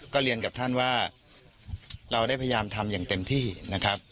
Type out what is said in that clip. ก็เรียนกับท่านว่าเราได้พยายามทำอย่างเต็มที่นะครับ